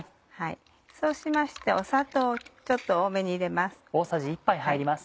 そうしまして砂糖をちょっと多めに入れます。